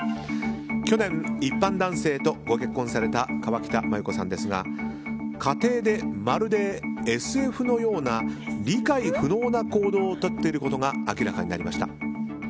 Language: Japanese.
去年、一般男性とご結婚された河北麻友子さんですが家庭でまるでＳＦのような理解不能な行動をとっていることが明らかになりました。